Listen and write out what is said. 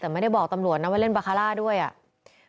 แต่ไม่ได้บอกตำรวจนะว่าเล่นบาคาร่าด้วยอ่ะ